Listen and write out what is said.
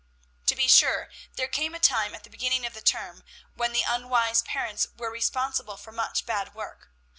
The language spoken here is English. To be sure, there came a time at the beginning of the term when the unwise parents were responsible for much bad work.